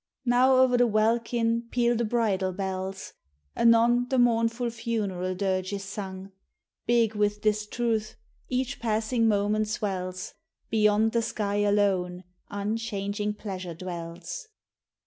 Now o'er the welkin peal the bridal bells; Anon the mournful funeral dirge is sung; Big with this truth each passing moment swells, "Beyond the sky alone unchanging pleasure dwells."